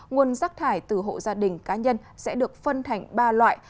nguồn rác thải từ hộ gia đình cá nhân sẽ được phân thành ba loại